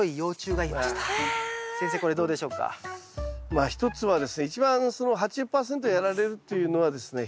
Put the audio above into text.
まあ一つはですね一番その８０％やられるっていうのはですね